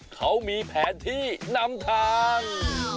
เขามีแผนที่นำทาง